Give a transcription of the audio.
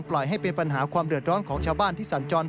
ทำให้เกิดปัชฎพลลั่นธมเหลืองผู้สื่อข่าวไทยรัฐทีวีครับ